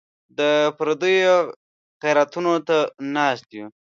د پردیو خیراتونو ته ناست یو.